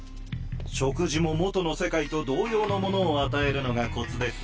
食事も元の世界と同様のものを与えるのがコツですよ。